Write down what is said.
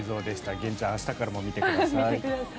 玄ちゃん明日からも見てください。